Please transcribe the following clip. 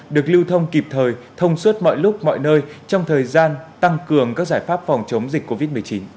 được lưu thông kịp thời thông suốt mọi lúc mọi nơi trong thời gian tăng cường các giải pháp phòng chống dịch covid một mươi chín